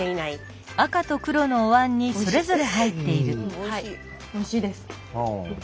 おいしいです。